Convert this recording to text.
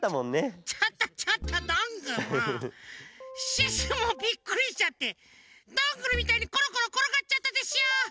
シュッシュもびっくりしちゃってどんぐりみたいにコロコロころがっちゃったでしょ！